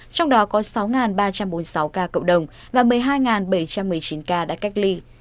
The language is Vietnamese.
trong đó có sáu ba trăm bốn mươi sáu ca cộng đồng và một mươi hai bảy trăm một mươi chín ca đã cách ly